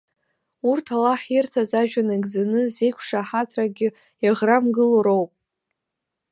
Урҭ, Аллаҳ ирҭаз ажәа нагӡаны, зеиқәшаҳаҭрагьы иаӷрамгыло роуп.